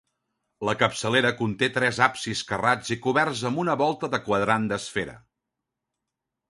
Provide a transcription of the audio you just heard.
La capçalera conté tres absis carrats i coberts amb una volta de quadrant d'esfera.